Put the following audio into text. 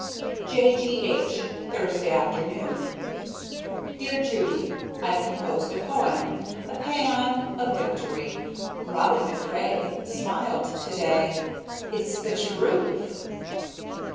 J. G. H., Thursday afternoon. Dear Judy: I've composed a poem a paean of victory. Robin MacRae Smiled today. It's the truth!